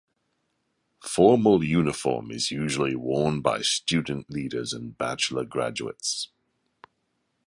Formal uniform is usually worn by student leaders and bachelor graduates.